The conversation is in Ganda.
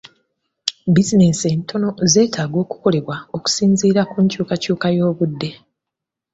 Bizinensi entono zeetaaga okukolebwa okusinziira ku nkyukakyuka y'obudde.